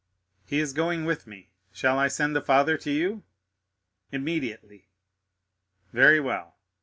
"He is going with me. Shall I send the father to you?" "Immediately." "Very well."